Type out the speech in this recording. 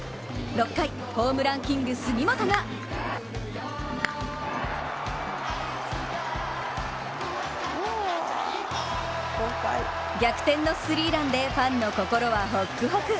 ６回、ホームランキング・杉本が逆転のスリーランでファンの心はホックホク。